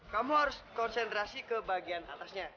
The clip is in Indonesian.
kamu harus konsentrasi ke bagian atasnya